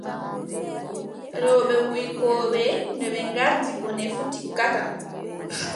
Rewɓe wuykooɓe, no ɓe njardi bone fuu, tikkataa.